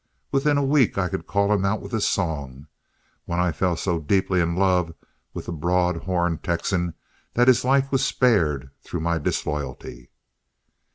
Within a week I could call him out with a song, when I fell so deeply in love with the broad horn Texan that his life was spared through my disloyalty.